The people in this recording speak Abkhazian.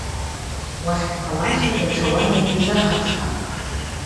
Уахьтәалаша даҽа уадак узаҳаԥшаап.